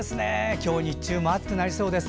今日、日中も暑くなりそうです。